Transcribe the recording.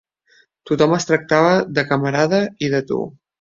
Tothom es tractava de «camarada» i de «tu»